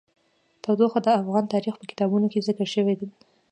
تودوخه د افغان تاریخ په کتابونو کې ذکر شوی دي.